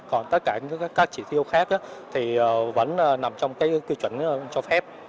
còn tất cả các trị tiêu khác thì vẫn nằm trong quy chuẩn cho phép